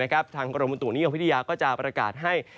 กรมบุตุนิยมวิทยาก็จะประกาศให้